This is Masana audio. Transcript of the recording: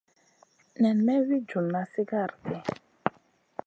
Nen may wi djuna sigara di.